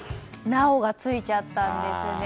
「なお」がついちゃったんですね。